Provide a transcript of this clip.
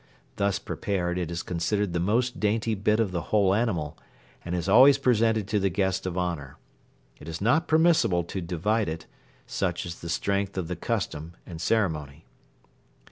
Thus prepared it is considered the most dainty bit of the whole animal and is always presented to the guest of honor. It is not permissible to divide it, such is the strength of the custom and ceremony.